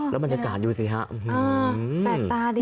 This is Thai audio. แล้วบรรยากาศอยู่สิฮะ